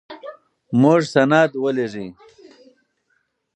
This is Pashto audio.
موږ سند ولېږه.